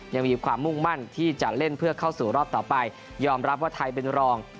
ยังมีความมุ่งมั่นที่จะเล่นเพื่อเข้าสู่รอบต่อไปยอมรับว่าไทยเป็นรอง